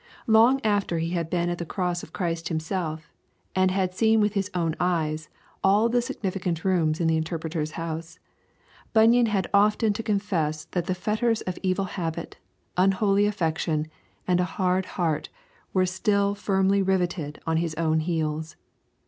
Long after he had been at the Cross of Christ himself, and had seen with his own eyes all the significant rooms in the Interpreter's House, Bunyan had often to confess that the fetters of evil habit, unholy affection, and a hard heart were still firmly riveted on his own heels.